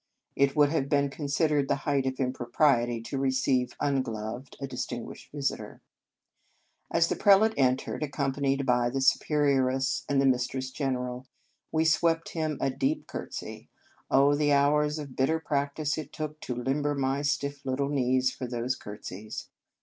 It would have been considered the height of impropriety to receive, ungloved, a distinguished visitor. As the prelate entered, accompanied by the Superioress and the Mistress Gen eral, we swept him a deep curtsy, oh, the hours of bitter practice it took to limber my stiff little knees for those curtsies